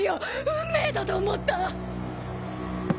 運命だと思った！